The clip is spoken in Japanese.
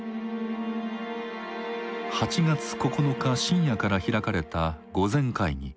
８月９日深夜から開かれた御前会議。